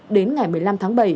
đến ngày một mươi năm tháng bảy